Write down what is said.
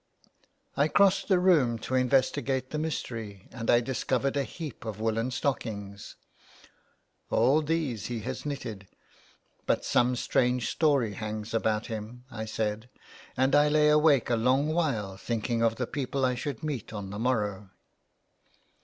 I crossed the room, to investigate the mystery and I discovered a heap of woollen stockings. All these he has knitted. But some strange story hangs about him," I said, and I lay awake a long while thinking of the people I should meet on the morrow.